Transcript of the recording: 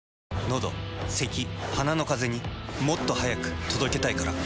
のどせき鼻のカゼにもっと速く届けたいから。